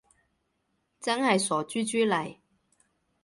真係傻豬豬嚟